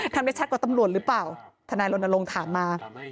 ทำได้ชัดกว่าตำรวจหรือเปล่าทนายรณรงค์ถามมา